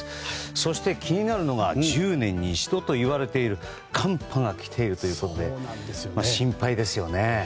そして気になるのが１０年に一度と言われている寒波が来ているということで心配ですよね。